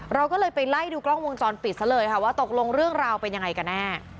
เราก็เลยไปไล่ดูกล้องวงจรปิดซะเลยค่ะว่าตกลงเรื่องราวเป็นยังไงกันแน่